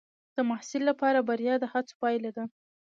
د محصل لپاره بریا د هڅو پایله ده.